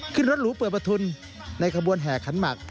ขึ้นรถหรูเปิดประทุนในขบวนแห่ขันหมัก